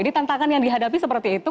tantangan yang dihadapi seperti itu